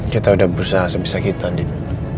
kita udah berusaha sebisa kita nih